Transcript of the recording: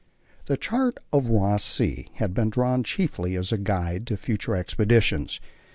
The chart of Ross Sea has been drawn chiefly as a guide to future expeditions.